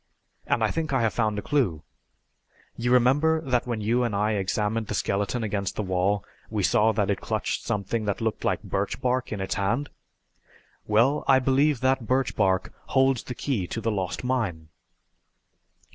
And I think I have found a clue. You remember that when you and I examined the skeleton against the wall we saw that it clutched something that looked like birch bark in its hand? Well, I believe that birch bark holds the key to the lost mine!"